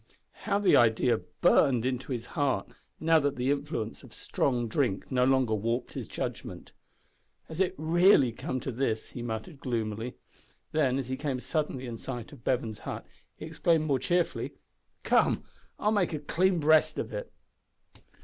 How the idea burned into his heart, now that the influence of strong drink no longer warped his judgment! "Has it really come to this?" he muttered, gloomily. Then, as he came suddenly in sight of Bevan's hut, he exclaimed more cheerfully, "Come, I'll make a clean breast of it."